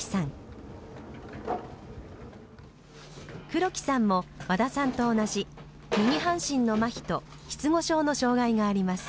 黒木さんも和田さんと同じ右半身のまひと失語症の障がいがあります。